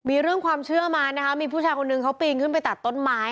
มีเรื่องความเชื่อมานะคะมีผู้ชายคนนึงเขาปีนขึ้นไปตัดต้นไม้